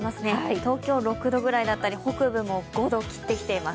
東京は６度ぐらいだったり、北部も５度を切ってきています。